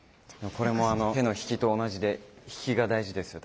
これもあの手の引きと同じで引きが大事ですよ。